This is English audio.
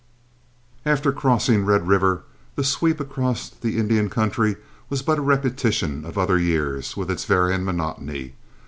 After crossing Red River, the sweep across the Indian country was but a repetition of other years, with its varying monotony.